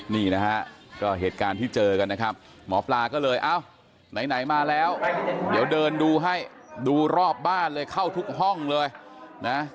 นี่นะฮะก็เหตุการณ์ที่เจอกันนะครับหมอปลาก็เลยเอ้าไหนมาแล้วเดี๋ยวเดินดูให้ดูรอบบ้านเลยเข้าทุกห้องเลยนะ